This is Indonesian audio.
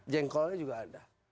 jengkolnya juga ada